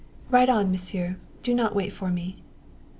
"Ride on, Monsieur; do not wait for me."